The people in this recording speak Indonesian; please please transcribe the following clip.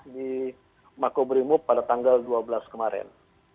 di mako berimub pada tanggal dua belas kemarin